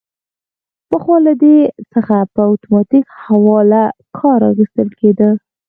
پخوا له دې څخه په اتوماتیک حواله کار اخیستل کیده.